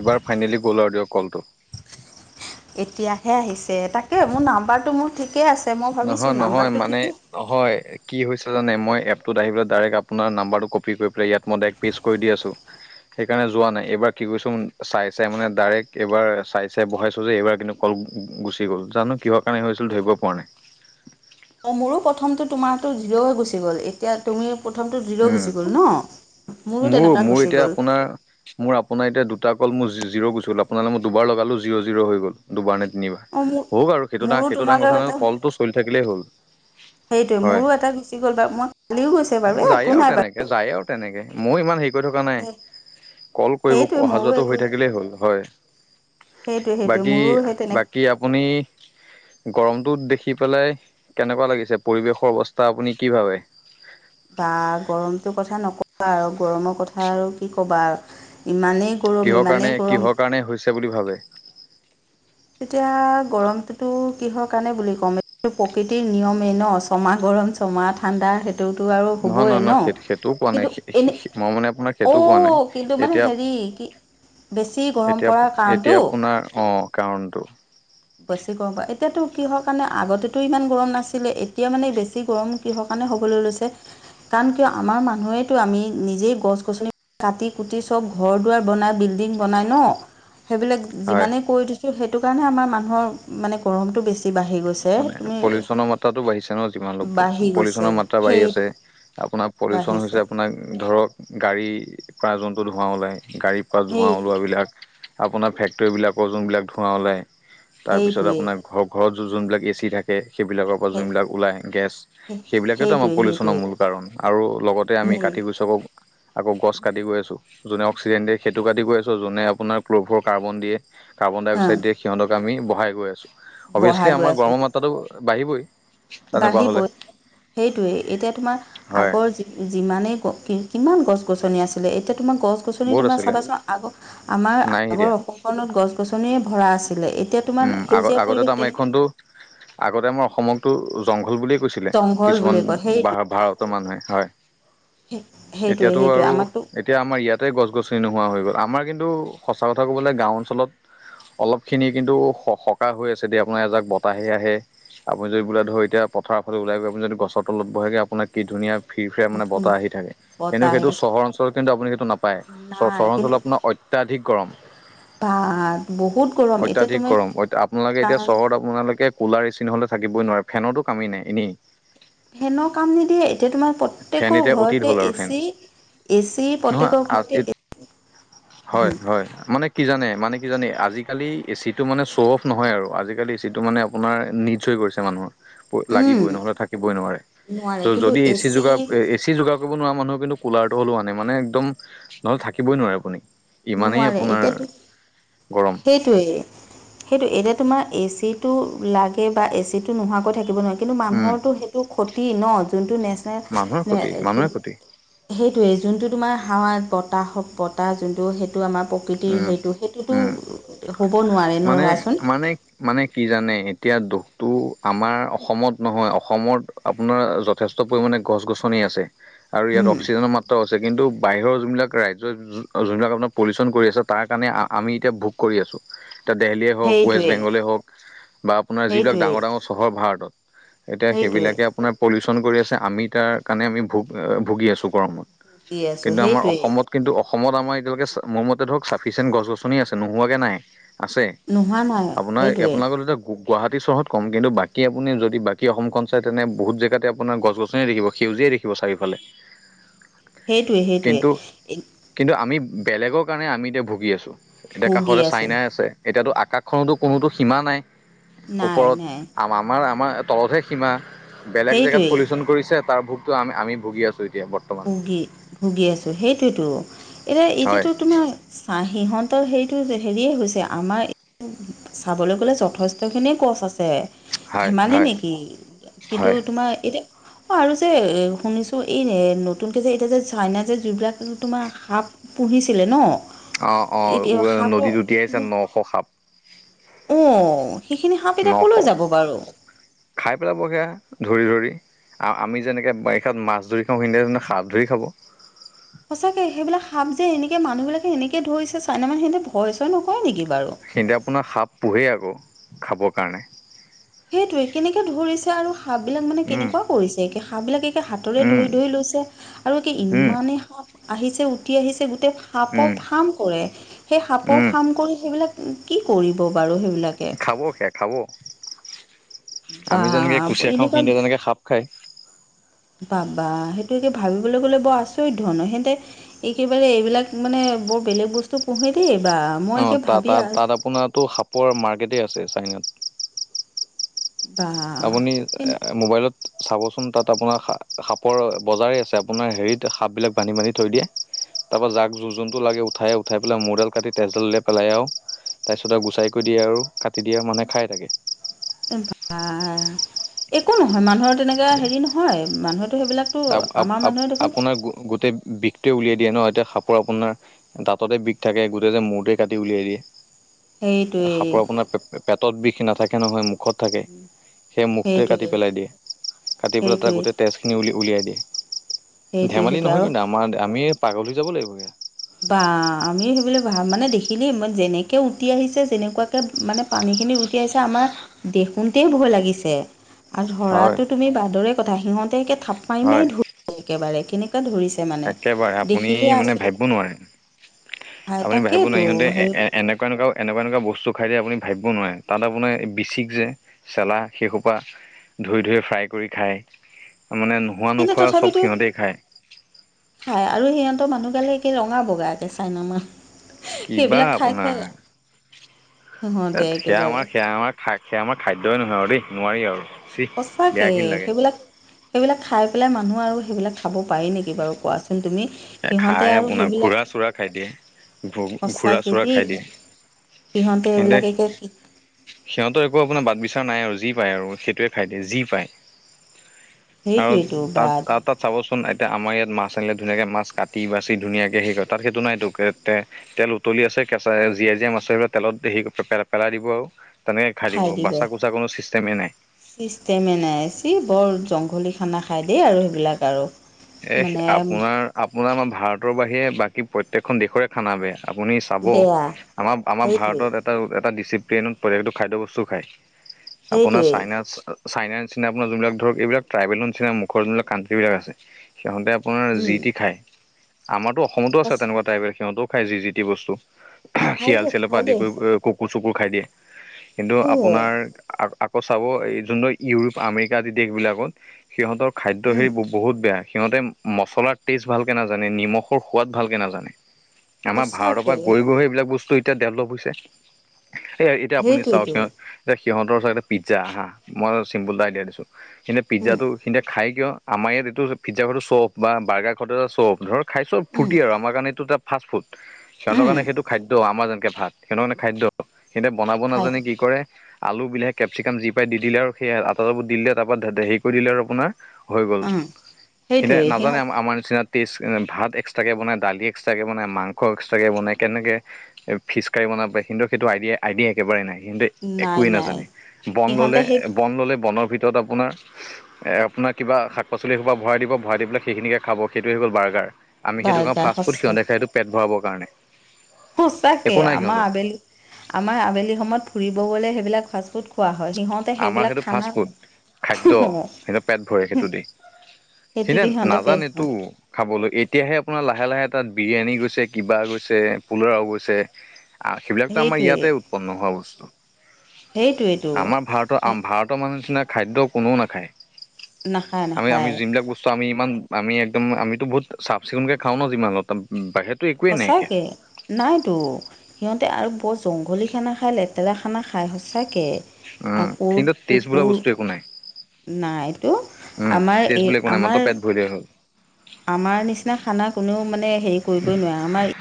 এইবাৰ ফাইনেলি গ'ল আৰু দিয়ক কলটো। এতিয়াহে আহিছে, তাকে মোৰ নাম্বাৰটো মোৰ ঠিকে আছে মই নহয় ভাবিছোঁ নহয় নাম্বাৰটো মানে ঠিকেই। নহয়। কি হৈছে জানে, মই এপটোত আহি পেলাই ডাইৰেক্ট আপোনাৰ নাম্বটো কপি কৰি পেলাই ইয়াত মই ড পেজ কৰি আছো। সেইকাৰণে যোৱা নাই, এইবাৰ কি কৰিৈছো চাই - চাই মানে ডাইৰেক্ট এইবাৰ চাই চাই বহাইছো যে এইবাৰ কিন্তু। কল গুচি গ'ল। জানো কিহৰ কাৰণে হৈছিল ধৰিব পৰা নাই। অঁ মোৰো প্ৰথমটো তোমাৰো জিৰ' হৈ গুচি গ'ল এতিয়া তুমি প্ৰথমটো জিৰ' উম, গুচি গ'ল ন। মোৰো তেনেকুৱা মোৰ গুচি এতিয়া গ'ল আপোনাৰ। মোৰ আপোনাৰ এতিয়া দুটা কল মোৰ জিৰ' গুচি গ'ল আপোনালৈ মই দুবাৰ লগালো জিৰ' জিৰ' হৈ গ'ল। দুবাৰ নে তিনিবাৰ, অঁ মোৰ হওক আৰু সেইটো মোৰো - সেইটো ডাঙ তোমালৈ কথা নহয় কলটো চলি থাকিলেই হ'ল। সেইটোয়ে হয় মোৰো এটা গুচি গ'ল বাৰু। মই কালিও গৈছে বাৰু যায় একো আৰু নাই বাৰু। তেনেকে যায় আৰু তেনেকে ময়ো ইমান শ। থকা নাই, বাৰু কল কৰিব সেইটোৱে অহা মোৰো যোৱা একো হৈ থাকিলেই হ'ল হয়। সেইটোৱে সেইটোৱে বাকী মোৰো সেই তেনে - বাকী আপুনি। গৰমটোত দেখি পেলাই কেনেকুৱা লাগিছে, পৰিৱেশৰ অৱস্থা আপুনি কি ভাবে? বা, গৰমটো কথা নকবা আৰু গৰমৰ কথা আৰু কি ক'বা আৰু। ইমানেই গৰম, ইমানেই গৰম। ছে বুলি ভাবে। তেতিয়া গৰমটোতো কিহৰ কাৰণে বুলি ক'ম এই প্ৰকৃতিৰ নিয়মেই ন ছমাহ গৰম। চমা ঠাণ্ডা। তো আৰু নহয় হ'বই নহয় ন, নহয় সেই সেইটোও কোৱা নাই কিন্তু এনে মই মানে আপোনাক সেইটোও কোৱা নাই। অ'। কিন্তু মানে এতিয়া হেৰি, কি বেছি গৰম এতিয়া পৰাৰ এতিয়া কাৰণটো। আপোনাৰ অ কাৰণটো। বেছি গৰম পৰা, এতিয়াতো কি হয় কাৰণে আগতেতো ইমান গৰম নাছিলে এতিয়া মানে বেছি গৰম। কিহৰ কাৰণে হ'বলৈ লৈছে, কাৰণ কিয় আমাৰ মানুহেতো আমি নিজেই গছ গছনি। কাটি - কুটি চব ঘৰ দুৱাৰ বনাই বিল্ডিং বনাই ন সেইবিলাক। হয়। যিমানেই কৰি দিছোঁ সেইটো কাৰণে আমাৰ মানুহৰ মানে গৰমটো বেছি। বাঢ়ি গৈছে মানে তুমি পলিউচনৰ মাত্ৰাতটো বাঢ়িছে ন, যিমান ল বাঢ়ি গৈছে পলিউচনৰ মাত্ৰা সেই বাঢ়ি আছে। আপোনাৰ পলিউচন বাঢ়িছে হৈছে আপোনাক ধৰক। গাড়ীৰ পৰা যোনটো ধোঁৱা ওলায়, গাড়ীৰ পৰা ধোঁৱা সেই ওলোৱাবিলাক। আপোনাৰ ফেক্টৰীবিলাকৰ যোনবিলাক ধোঁৱা ওলায়, তাৰপিছত সেইটোৱেই আপোনাৰ ঘৰ ঘৰত য যোনবিলাক। এ চি থাকে সেইবিলাকৰ পৰা সেই যোনবিলাক ওলায় গেছ। সেইবিলাকেতো আমাৰ সেইটোৱেই পলিউচনৰ সেইটোৱেই মূল কাৰণ আৰু লগতে আমি মূল কাঠ গুচকক। আকৌ গছ কাটি গৈ আছো, যোনে অক্সিজেন দিয় সেইটো কাটি আছো যোনে আপোনাৰ ' কাৰ্বন দিয়ে। কাৰ্বন ডাই হা অক্সাইড দিয়ে সিহঁতক আমি বঢ়াই গৈ আছো বঢ়াই অবভিয়াসলি গৈ আমাৰ আছোঁ গৰম মাত্ৰাটো বাঢ়িবই তেনেকুৱা হ'লে বাঢ়িবই সেইটোৱে এতিয়া তোমাৰ হয় আগৰ যি যিমানেই কিমান গছ গছনি আছিলে এতিয়া তোমাৰ গছ গছনি বহুত তোমাৰ আছিলে চাবাচোন আগ আমাৰ নাই এতিয়া আগৰ অসম মত গছ গছনিয়ে ভৰা আছিলে এতিয়া তোমাৰ উম আগত সেউজীয়া আগতেতো পৰিৱেশ আমাৰ তেনে এইখনতো আগতে আমাৰ অসমকতো জংঘল বুলিয়ে কৈছিলে জংঘল কিছুমান বুলি কয় বা সেইটো ভাৰত ৰ মানুহে এতিয়া সেইটোৱে তো সেইটোৱে আৰু আমাকতো এতিয়া আমাৰ ইয়াতেই গছ গছনি নোহোৱা হৈ গ'ল আমাৰ কিন্তু সঁচা কথা ক'বলে গাও অঞ্চলত অলপ খিনি কিন্তু সকাহ হৈ আছে দে আপোনাৰ এজাক বতাহে আহে আপুনি যদি বোলে ধৰি এতিয়া পথাৰৰ ফালে ওলাই গৈ আপুনি যদি গছৰ তলত বহেগে আপোনাক কি ধুনীয়া ফিৰ ফিৰা মানে ধুন বতাহ আহি থাকে বতাহ কিন্তু আহি সেইটো থাকে চহৰ অঞ্চলত কিন্তু আপুনি সেইটো নাপায় চ নাই চহৰ কিন্তু অঞ্চলত আপোনাৰ অত্যাধিক গৰম বা বহুত গৰম এতিয়া অত্যাধিক তুমি গৰম আপোনালোকে এতিয়া কাম চহৰত আপোনালোকে কুলাৰ এচি নহলে থাকিবই নোৱাৰে ফেনতো কামে নাই এনেই ফেনৰ কাম নিদিয়ে এতিয়া তোমাৰ ফেন প্ৰত্যেকৰ এতিয়া অতীত ঘৰতে হ'ল এ আৰু ফেন চি এ চি প্ৰত্যেকৰ নহয় ঘৰতে এ হয় হয় মানে কি জানে মানে কি জানে আজিকালি এ চিটো মানে শ্ব' অফ নহয় আৰু আজিকালি এ চিটো মানে আপোনাৰ নিডচ হৈ গৈছে মানুহৰ উম লাগিবই নহলে থাকিবই নোৱাৰে যদি এ চি যোগাৰ এ চি যোগাৰ কৰিব নোৱাৰা মানুহে কিন্তু কুলাৰটো হ'লেও আনে মানে একদম নহ'লে থাকিবই নোৱাৰে আপুনি ইমানেই নোৱাৰে আপোনাৰ গৰম সেটোৱে সেইটো এতিয়া তোমাৰ এচি টো লাগে বা এচিটো নোহোৱাকৈ থাকিব নোৱাৰি কিন্তু উম মানুহৰটো সেইটো ক্ষতি ন যোনটো নেচেৰেল মানুহৰ নে ক্ষতি যোন মানুহৰে ক্ষতি সেইটোৱেই যোনটো তোমাৰ হাওয়া বতাহ হওক বতাহ যোনটো সেইটো আমাৰ প্ৰকৃতিৰ উম সেইটো সেইটোতো উম হ'ব নোৱাৰে ন মানে ৰোৱাচোন মানে মানে কি জানে এতিয়া দোষটো আমাৰ অসমত নহয় অসমত আপোনাৰ যথেষ্ট পৰিমাণে গছ গছনি আছে আৰু ইয়াত উম অক্সিজেনৰ মাত্ৰ আছে কিন্তু বাহিৰৰ যোনবিলাক ৰাজ্যৰ যোনবিলাক আপোনাৰ পলিউচন কৰি আছে তাৰ কাৰণে আমি এতিয়া ভোগ কৰি আছোঁ এতিয়া দিল্লীয়ে হওক ৱেষ্ট সেইটোৱে বেংগলেই হওক বা আপোনাৰ যিবিলাক সেইটোৱে ডাঙৰ ডাঙৰ চহৰ ভাৰতত এতিয়া সেইটোৱে সেইবিলাকে আপোনাৰ পলিউচন কৰি আছে আমি তাৰ কাৰণে আমি ভু ভুগি আছো [unintelligible] ভুগি আছোঁ কিন্তু আমাৰ সেইটোৱে অসমত কিন্তু অসমত আমাৰ এতিয়ালৈকে মোৰ মতে ধৰক চাফিচিয়েণ্ট গছ গছনি আছে নোহোৱাকে নাই আছে নোহোৱা নাই আপোনাৰ সেইটোৱে আপোনালোকৰ এতিয়া গু গুৱাহাটী চহৰত কম কিন্তু বাকী আপুনি যদি বাকী অসমখন চায় তেনে বহুত জেগতে আপোনাৰ গছ গছনিই দেখিব সেউজিয়াই দেখিব খিব চাৰিওফালে সেইটোৱে কিন্তু সেইটোৱে কিন্তু আমি বেলেগৰ কাৰণে আমি এতিয়া ভুগি আছোঁ এতিয়া ভুগি কাষতে আছোঁ চাইনা আছে এতিয়াতো আকাশখনতো কোনোতো সীমা নাই নাই ওপৰত নাই আ আমাৰ আমাৰ তলতহে সীমা বেলেগ জেগাত সেইটোৱেই পলিউচন কৰিছে তাৰ ভোগটো আমি আমি ভুগি আছোঁ এতিয়া বৰ্তমান ভুগি ভুগি আছোঁ সেইটোৱেতো এতিয়া হয় এতিয়াতো তোমাৰ চা সিহঁতৰ হেৰিটো হেৰিয়ে হৈছে আমাৰ চাবলৈ গ'লে যথেষ্ট খিনিয়ে কজ আছে হয় ধেমালি হয় নেকি কিন্তু হয় তোমাৰ এতিয়া অ আৰু যে এ শুনিছো এই নতুনকে যে এতিয়া যে চাইনা যে যুগ্ৰা তোমাৰ সাপ পুহিছিলে ন? অ অ উ এতিয়া সাপৰ নদীত উটি আহিছে নশ সাপ। অঁ সেইখিনি সাপ এতিয়া ক'লৈ নশ যাব বাৰু? খাই পেলাবগে ধৰি ধৰি। আ আমি যেনেকে বাৰিষাত মাছ ধৰি খাওঁ সিহঁতি সেনেদৰে সাপ ধৰি খাব। সঁচাকে সেইবিলাক সাপ যে এনেকে মানুহবিলাকে এনেকে ধৰিছে, চাইনা মানে সিহঁতে ভয় চয় নকৰে নেকি বাৰু? হেতি আপোনাৰ সাপ পোহেই আকৌ খাবৰ কাৰণে। সেইটোৱেই কেনেকে ধৰিছে আৰু সাপ বিলাক মানে উম কেনেকুৱা কৰিছে একে সাপ বিলাকে হাতৰে উম ধৰি ধৰি লৈছে আৰু একে উম ইমানেই সাপ আহিছে উটি আহিছে গোটেই সাপৰ উম ফাৰ্ম কৰে। সেই সাপৰ উম ফাৰ্ম কৰি সেইবিলাক কি কৰিব বাৰু সেইবিলাকে? খাবগে খাব বা আমি যেনেকে কুচিয়া খাওঁ সি এনেকুৱা তেনেকে সাপ খায়। বাবা সেইটো এতিয়া ভাবিবলে গ'লে বৰ আচৰিত ধৰণৰ হেঁতে একেবাৰে এইবিলাক মানে বৰ বেলেগ বস্তু পুহে দেই বা। মই অ একে ত ভাবি তাত আ তাত আপোনাৰটো সাপৰ মাৰ্কেটেই আছে চাইনাত। বা আপুনি এ মোবাইলত চাবচোন তাত আপোনাৰ সা সাপৰ বজাৰেই আছে, আপোনাৰ হেৰিত সাপ বিলাক বান্ধি বান্ধি থৈ দিয়ে। তাৰপৰা যাক যো যোনটো লাগে উঠাই উঠাই পেলাই মোৰডাল কাটি তেজডাল উলিয়াই পেলাই আও তাৰপিছত আও গুচাই কৰি দিয়ে আৰু কাটি দিয়ে মানুহে খায় তাকে। এ বাহ! একো নহয় মানুহৰ তেনেকে হেৰি নহয় মানুহেটো সেইবিলাক আপ আপ আপ আপোনাৰ গোটেই বি টোৱে উলিয়াই দিয়ে ন, এতিয়া সাপৰ আপোনাৰ দাঁততে বিষ থাকে গোটেই যে মূৰটোৱে কাটি উলিয়াই দিয়ে। সেইটোৱেই সাপৰ আপোনাৰ পে পেটত বিষ নাথাকে নহয় মু মুখত থাকে, সেই মুখটোৱে কাটি সেইটোৱেই পেলাই দিয়ে। কাটি পেলাই তাত সেইটোৱেই গোটেই তেজখিনি উলিয়াই উলিয়াই দিয়ে সেইটোৱে ধেমালি সেইটোৱে নহয় আৰু কিন্তু আমাৰ আমিয়ে পাগল হৈ যাব লাগিবগে। বা আমি সেইবিলাক ভা মানে দেখিলেই মই যেনেকে উটি আহিছে যেনেকুৱাকে মানে পানীখিনিত উটি আহিছে আমাৰ দেখোতেই ভয় লাগিছে। আৰু হয় ধৰাতো তুমি বাদৰে কথা সিহঁতে থাপ মাৰি মাৰি হয় ধ একেবাৰে কেনেকুৱা ধৰিছে। মানে একেবাৰে আপুনি দেখিলে মানে আচৰিত ভাবিব নোৱাৰে হয় আপুনি ভাবিব তাকেইতো নোৱাৰে ইহঁতে এ এনেকুৱা এনেকুৱা এনেকুৱা এনেকুৱা বস্তু খায় দিয়ে আপুনি ভাবিব নোৱাৰে, তাত আপোনাৰ বিচিক যে চেলা সেইহুপা ধুই ধুই ফ্ৰাই কৰি খায়, মানে খোৱা কিন্তু নোখোৱা সব তথাপিতো সিহঁতেই খায়। খায় আৰু সিহঁতৰ মানুহ গালে একে ৰঙা বগা একে চাইনামান। কিবা আপোনাৰ সিহঁতে থেঁত সেয়া একেবাৰে আমাৰ সেয়া আমাৰ খা সেয়া আমাৰ খাদ্যই নহয় আৰু দেই নোৱাৰি আৰু। চি বেয়া সঁচাকে ঘিন লাগে সেইবিলাক সেইবিলাক খাই পেলাই মানুহ আৰু সেইবিলাক খাব পাৰি নেকি বাৰু কোৱাচ তুমি সিহঁতে খাই আৰু আপোনাৰ সেইবিলাক ঘোঁৰা চোৰা খাই দিয়ে ঘোঁৰা সঁচাকে চোৰা দেই খাই দিয়ে সিহঁতে এইবিলাক একে সিহঁতৰ একো আপোনাৰ বাট বিচাৰ নাই আৰু যি পায় আৰু, সেইটোৱে খাই দিয়ে যি পায়। আৰু সেইটোৱেইটো তাত বাদ তাত তাত চাবচোন এতিয়া আমাৰ ইয়াত মাছ আহিলে ধুনীয়াকে মাছ কাটি বাচি ধুনীয়াকে সেই কৰে তাত সেইটো নাইতো [unintelligible] তেল উতলি আছে কেঁচা জীয়া জীয়া মাছ সেইবিলাক তেলত হেই পে পেলাই দিব আৰু তেনেকে খায় দিব, বাচা কুচা কোনো চিষ্টেমেই নাই। চিষ্টেমে নাই, চি বৰ জংঘলী খানা খাই দেই আৰু সেইবিলাক আৰু। এ মানে আপোনাৰ আপোনাৰ আমাৰ ভাৰতৰ বাহিৰে বাকী প্ৰত্যেকখন দেশৰে খানা বেয়া আপুনি, চাব বেয়া আমাৰ আমাৰ সেইটোৱে ভাৰতত এ এটা ডিচিপ্লতটো খাদ্যয় বস্তু খায় আপোনাৰ সেইটোৱে চাইনাচ, চাইনা নিচিনা আপুনাৰ যোনবিলাক ধৰ এইবাক ট্ৰাইবেলৰ নিচিনা মুখৰ যোনবিলাক কণ্ট্ৰ বিলাক আছে। সিহঁতে আপোনাৰ উম, যি টি খায় আমাৰতো অসমতো আছে তেনেকুৱা ট্ৰাইপে সিহঁতেও খায় যি টি বস্তু, খাই শিয়াল দে চিয়ালৰ খাই পৰা আদি দে কৰি কুকুৰ চুকুৰ খাই দিয়ে। কিন্তু উ আপোনাৰ আক চাব এই যোন ইউৰোপ আমেৰিকা আদি দেশ বিলাকত সিহঁতৰ খাদ্য উম, হেৰি বহুত, সেয়া সিহঁতে মছলাৰ টেষ্ট ভালকে নাজানে নিমখৰ সোৱাদ ভালকে নাজানে। আমাৰ ভাৰতৰ সঁচাকে পৰা গৈ গৈ সেইবিলাক বস্তু এতিয়া ডেভেলপ হৈছে। এ এতিয়া আপুনি চাওক, সেইটোৱেতো এতিয়া সিহঁতৰ চাগে পিজা মই চিম্পুলটো আইডিয়া দিছোঁ সনেই উম, পিজ্জাটো এন্তয়া খাই কিয় আমাৰ ইয়াত এইটো পিজ্জা ঘটো চ্বফ বা বাৰ্গাৰ ঘটো এটা চ্বফ ধৰক, খাই চব উম, ফূৰ্তি আৰু আমাৰ কাৰণে এইটো এটা ফাষ্টফুড সিহঁৰ উম, কাৰে সেইটো খাদ্য আমাৰ যেনেকে ভাত। সেনোনে খাদ্য সিয়া বনাব খাই নাজানে দে কি কৰে। আলু বিলাহী কেপচিকাম যি পাই দি দিলে আৰু সেই আটা চাবোৰ দিলে তাৰপৰা হেৰি কৰি দিলে আৰু আপোনাৰ। হৈ গ'ল উম, সনে সেইটোৱে নাজানে সিহঁত আমাৰ নিচিনা, টেষ্ট ভাত এক্সট্ৰাকে বনায় দালি এক্সট্ৰাকে বনায় মাংস এক্সট্ৰাকে বনায় কেনেকে, এ ফিচ কাৰী বনাব পাৰে কিন্তু সেইটো আইডিয়া একেবাৰে নাই কিন্তু, নাই, একোৱেই নাই। নাজানে বন সিহঁতে ললে সেই বন ললে বনৰ ভিতৰত, য'ত আপোনাৰ আপোনাৰ কিবা শাক পাচলি সোপা, ভৰাই দিব ভৰাই দি পেল সেইখিনিকে খাব সেইটোই গ'ল বাৰ্গাৰ আমি সেইটো কাৰওঁ বাৰ্গাৰ ফাষ্টফুড সঁচা সিঁতে খাইটো, পেট ভৰাবৰ কাৰণে। সচাকে একো নাই আমাৰ সিহঁতৰ আবেলি। আমাৰ আবেলি সময়ত ফুৰিব গলে সেইবিলাক ফাষ্টফুড খোৱা হয় সিহঁত, আমাৰ সেইটো ফাষ্ট ফুড খাদ্য সেইটো পেট ভৰে সেইটো দি, সেইটো দি সিহঁতে পেট ভৰে নাজানেতটো, খাবলৈ এতিয়াহে আপোনাৰ লাহে লাহে তাত বিৰিয়ানী গৈছে কিবা গৈছে পুলাও গৈছে। সেইবিলাকতো আমাৰ সেইটোৱে ইয়াতেই উৎপন্ন হোৱা বস্তু। সেইটোৱেতো আমাৰ ভাৰতৰ ভাৰতৰ মানুহ নিচিনা খাদ্য কোননেও নাখায়। নাখায়, আমি আমি নাখায়। যোনিবিলাক বস্তু ত' আমি ইমান আমি একদম আমিতো বহুত চাফ চিকুণকে খাওঁ ন যিমানত, বাহিৰতটো একো সঁচাকে, নাইতো সিহঁতে আৰু বৰ জংঘলী খানা খাই লেতেৰা খানা খাই সঁচাকে। উম আকৌ কিন্তু টেষ্ট বোলা কুকুৰ, বস্তু একো নাই নাইটো উম আমাৰ টেষ্ট এই বোলা একো নাই মাত্ৰ আমাৰ, পেট ভৰিলেই হ'ল আমাৰ নিচিনা খানা কোনেও মানে হেৰি কৰিবই নোৱাৰে আমাৰ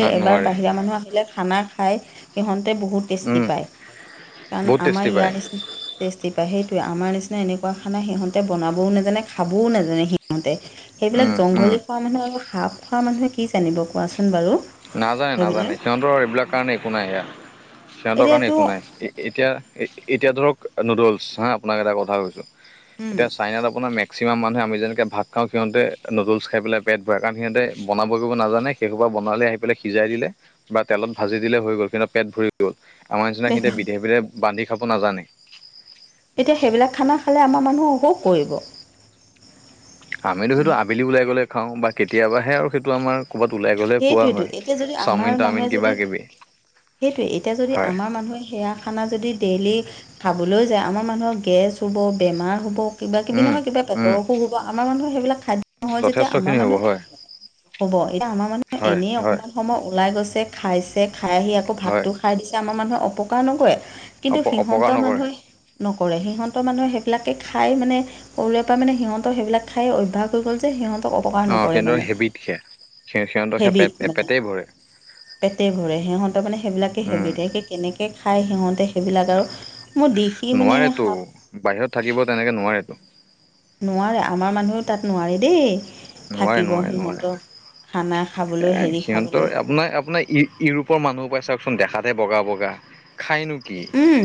ন এবাৰ নোৱাৰে বাহিৰা মানুহ আহিলে খানা খাই সিহঁতে বহুত টেষ্টি উম পায় কাৰণ বহুত আমাৰ টেষ্টি ইয়াৰ পায় নিচিনা। টেষ্টি পায় সেইটোৱে আমাৰ নিচিনা এনেকুৱা খানা সিহঁতে বনাবও নাজানে খাবও নাজানে সিহঁতে, সেইবিলাক উম উম জংঘলী খোৱা মানুহে আৰু সাপ খোৱা মানুহে কি জানিব কোৱাচোন বাৰু নাজানে নাজানে সেইবিলাক সিহঁতৰ এইবিলাক কাৰণে একো নাই সেয়া সিহঁতৰ কাৰণে একো এতিয়াতো নাই। এতিয়া এতিয়া ধৰক নুডলছ হা আপোনাক এটা কথা কৈছোঁ উম। এতিয়া চাইনাত আপোনাৰ মে মেক্সিমাম মানুহে আমি যেনেকে ভাত খাওঁ সিহঁতে নুডেলছ খাই পেট ভৰাই কাৰণ সিহঁতে বনাব কৰিব নাজানে। সেইসোপা বনালে পাই সিজাই দিলে বা তেলত ভাজি দিলে হৈ গ'ল, কিন্তু পেট ভৰি গ'ল আমাৰ নিচিনা সিহতে বিধে বিধে বান্ধি খাব নাজানে এতিয়া সেইবিলাক খানা খালে আমাৰ মানুহ অসুখ কৰিব আমিতো সেইটো আবেলি ওলাই গ'লে খাওঁ বা কেতিয়াবাহে আৰু সেইটো আমাৰ ক'ৰবাত ওলাই গ'লে খোৱা সেইটোৱেতো হয় এতিয়া যদি আমাৰ চাওমিন তাওমিন মানুহে কিবা যদি কিবি সেইটোৱে, এতিয়া যদি হয় আমাৰ মানুহে সেয়া খানা যদি ডেইলি খাবলৈ যায় আমাৰ মানুহৰ গেছ হ'ব, বেমাৰ হ'ব। কিবা কিবি উম নহয় কিবা উম পেটৰ অসুখ হ'ব আমাৰ মানুহ সেইবিলাক খাদ্য নহয় যেতিয়া যথেষ্টখিনি আমাৰ হ'ব মানুহে হয় হ'ব এতিয়া আমাৰ মানুহে হয় এনেই হয় অকমান সময় ওলাই গৈছে খাইছে, খাই আহি আকৌ হয় ভাতটো খাই। খাই দিছে আমাৰ মানুহে অপকাৰ নকৰে। কিন্তু অপ অপকাৰ সিহঁতৰ নকৰে মানুহে নকৰে, সিহঁতৰ মানুহে সেইবিলাকে খাই মানে সৰুৰে পৰা মানে সিহঁৰ সেইবিলাক খাই অভ্যাস হৈ গ'ল যে সিহঁত অ হিহন্তৰ হেবিত হৈছে। হেবিট, মানে পেটে ভৰে সিহঁতৰ মানে সেইবিলাকে উম হেবিট এক কেনেকৈ খায়, সিহঁতে সেইবিলাক আৰু মই দেখি মানে নোৱাৰেতো বাহিৰত থাকিব তেনেকৈ নোৱাৰেতো। নোৱাৰে আমাৰ মানুহেও তাত নোৱাৰে দেই। নোৱাৰে থাকিব নোৱাৰে নোৱাৰে সিহঁতৰ খানা খাবলৈ এ হেৰি সিহঁতৰ খাবলৈ আপোনাৰ আপোনাৰ এই ইউৰোপৰ মানুহোপা চাওকচোন দেখাতেহে বগা বগা। খাইনো কি উম,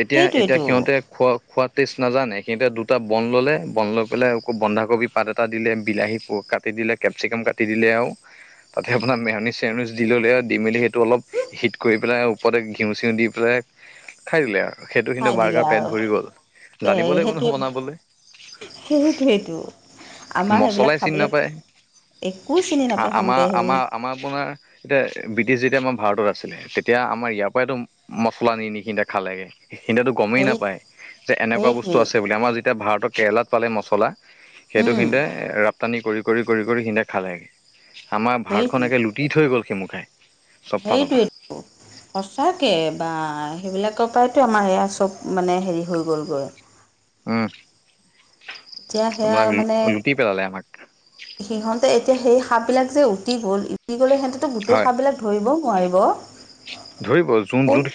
এতিয়া এতিয়া সেইটোৱেতো সিহঁতে। খোৱা-খোৱা টেষ্ট নাজানে। সিহঁতে দুটা বন ল'লে, বন লৈ পেলাই আকৌ বন্ধাকবি পাত এটা কাটি দিলে, বিলাহী বোৰ-কাটি দিলে, কেপচিকাম কাটি দিলে আৰু। তাতে আপোনাৰ মেৰনিছ-চেৰনিছ দি ললে আৰু, দি মেলি সেইটো অলপ হিট কৰি পেলাই ওপৰতে ঘিউ-চিউ দি পেলাই। খাই দিলে আৰু সেইটো খাই কিন্তু দিলে বাৰ্গাৰ পেট আৰু ভৰি গ'ল, জানিব লাগিব নহয় বনাবলৈ। সেইটোৱেটো। মছলাই চিনি নাপায়। একো চিনি নাপায় সিহঁতে সেইবিলাক আ-আমা-আমাৰ-আমাৰ আপোনাৰ এতিয়া ব্ৰিটিছ যেতিয়া আমাৰ ভাৰতত আছিলে তেতিয়া আমাৰ ইয়াৰ পৰাইতো মছলা নি নি কিনে খালেগে। সিহতেতো গমেই সেই নাপায় যে এনেকুৱা বস্তু সেইটোৱে আছে বুলি, আমাৰ যেতিয়া ভাৰতৰ কেৰেলাত পালে মচলা। সেইটো উম সিহঁতে ৰপ্তানি কৰি-কৰি-কৰি-কৰি সিহঁতে খালেগে। আমাৰ সেইটোৱে ভাৰতখন একে লুট লুটি থৈ গ'ল সেইমূখাই। সেইটোৱেটো। সঁচাকে বা, সেইবিলাকৰ পৰাইতো আমাৰ এইয়া চব মানে হেৰি হৈ গ'লগৈ। উম, এতিয়া সেয়া আপোনাক মানে লু-লুটি পেলালে আমাক। সিহঁতে এতিয়া সেই সাপ বিলাক যে উটি গ'ল, উটি গ'লে সে গোটেই হয় সাপ বিলাক ধৰিবও নোৱাৰিব। ধৰিব যোন ক'ত যোনখিনি